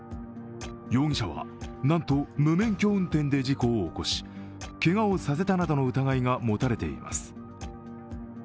容疑者はなんと無免許運転で事故を起こしけがをさせたなどの疑いがもたれています。